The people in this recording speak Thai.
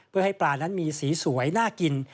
เพื่อให้ปลานั้นมีสีสวยน่ากิน